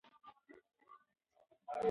هغوی یوازې فلمونو کې یې یادوي.